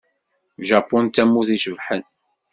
Japun d tamurt icebḥen.